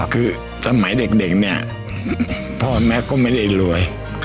คือสมัยเด็กเนี่ยพ่อแม่ก็ไม่ได้รวย